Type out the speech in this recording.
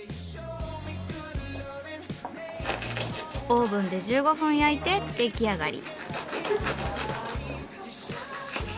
オーブンで１５分焼いて出来上がり。